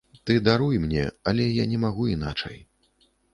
Ты даруй мне, але я не магу іначай.